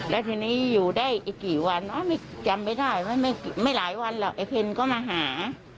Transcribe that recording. แล้วทีนี้อยู่ได้อีกกี่วันอ๊ะไม่จำไม่ได้ไม่หลายวันตอนล่ะไอเภนก็มาหา